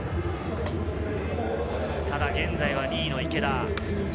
ただ現在は２位の池田。